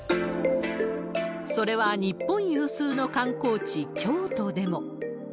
それは日本有数の観光地、京都でも。